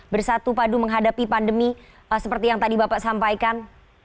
bersatu padu menghadapi pandemi seperti yang tadi bapak sampaikan